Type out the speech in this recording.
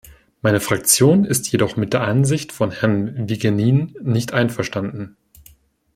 Meine Fraktion ist jedoch mit der Ansicht von Herrn Vigenin nicht einverstanden.